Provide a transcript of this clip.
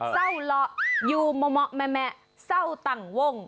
เศร้าเหลาะอยู่เหมาะแมะเศร้าต่างวง